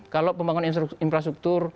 kalau pembangun infrastruktur